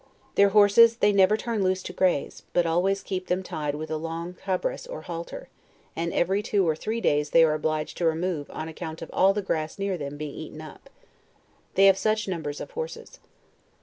Their horses they never turn loose to graze, but always keep them tied with a long cabras or halter; and eve ry two or three days they are obliged to remove on account of all the grass near them being eaten up, they have such num bers of horses.